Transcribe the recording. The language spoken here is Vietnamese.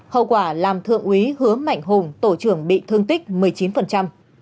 hậu quả làm thượng úy hứa mạnh hùng tổ trưởng bị thương tích một mươi chín